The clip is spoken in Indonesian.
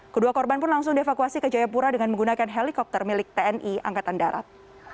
kedua korban pun langsung dievakuasi ke jayapura dengan menggunakan helikopter milik tni angkatan darat